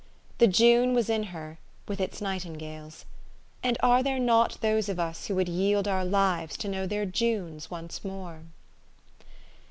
" The June was in her, with its nightingales; " and are there not those of us who would yield our lives to know their Junes once more